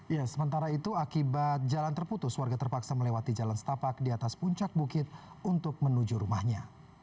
ya sementara itu akibat jalan terputus warga terpaksa melewati jalan setapak di atas puncak bukit untuk menuju rumahnya